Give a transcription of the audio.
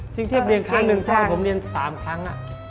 ตรงผมเรียนทั้ง๑ครั้งผม๓ครั้ง